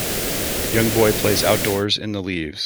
Young boy plays outdoors in the leaves.